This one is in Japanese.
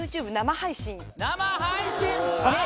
生配信！